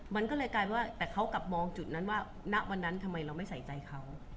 มันก็เลยกลายว่าแต่เขากลับมองจุดนั้นว่าณวันนั้นทำไมเราไม่ใส่ใจเขา